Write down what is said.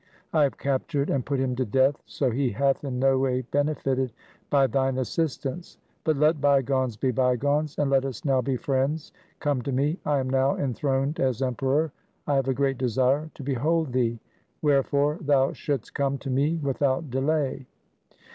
I have captured and put him to death, so he hath in no way benefited by thine assistance. But let bygones be bygones, and let us now be friends. Come to me. I am now enthroned as Emperor. I have a great desire to behold thee. Wherefore thou shouldst come to me without delay.'